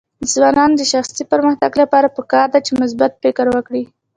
د ځوانانو د شخصي پرمختګ لپاره پکار ده چې مثبت فکر وکړي.